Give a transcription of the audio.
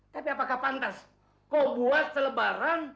tapi apakah pantas kok buat selebaran